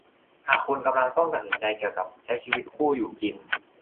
หากคุณกำลังต้องตัดสินใจเกี่ยวกับใช้ชีวิตคู่อยู่กิน